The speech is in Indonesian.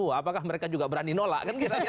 apakah mereka juga berani nolak